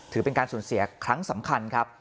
ถือเป็นการสูญเสียครั้งสำคัญครับ